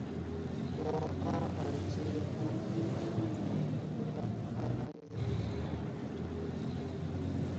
由阿尔及利亚支持的波利萨里奥阵线在与毛里塔尼亚和摩洛哥的战争中进行了斗争。